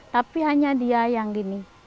tapi hanya dia yang gini